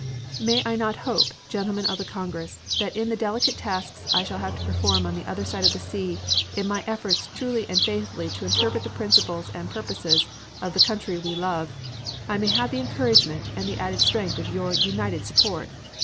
"May I not hope, gentlemen of the Congress, that in the delicate tasks I shall have to perform on the other side of the sea in my efforts truly and faithfully to interpret the principles and purposes of the country we love, I may have the encouragement and the added strength of your united support?